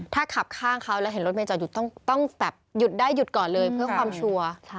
ถ้าขับข้างเขาแล้วเห็นรถเมยจอดหยุดต้องแบบหยุดได้หยุดก่อนเลยเพื่อความชัวร์